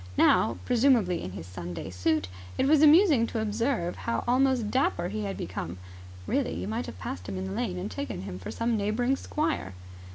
Now, presumably in his Sunday suit, it was amusing to observe how almost dapper he had become. Really, you might have passed him in the lane and taken him for some neighbouring squire.